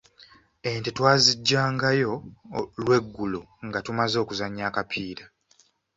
Ente twaziggyangayo lweggulo nga tumaze okuzannya akapiira.